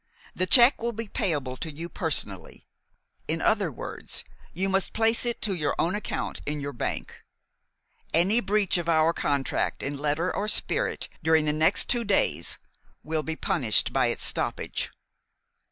The check will be payable to you personally. In other words, you must place it to your own account in your bank. Any breach of our contract in letter or spirit during the next two days will be punished by its stoppage.